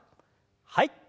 はい。